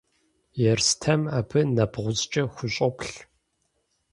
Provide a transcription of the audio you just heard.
Ерстэм абы нэбгъузкӏэ хущӏоплъ.